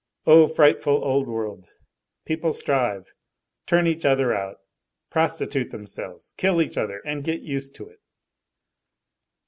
Oh! frightful old world. People strive, turn each other out, prostitute themselves, kill each other, and get used to it!"